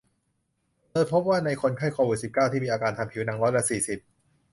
โดยพบว่าในคนไข้โควิด สิบเก้า ที่มีอาการทางผิวหนังร้อยละ สี่สิบ